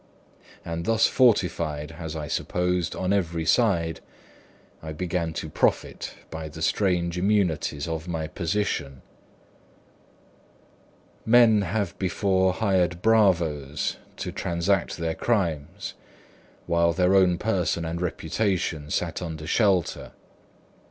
And thus fortified, as I supposed, on every side, I began to profit by the strange immunities of my position. Men have before hired bravos to transact their crimes, while their own person and reputation sat under shelter.